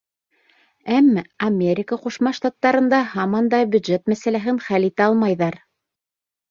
Әммә АҠШ-та һаман да бюджет мәсьәләһен хәл итә алмайҙар.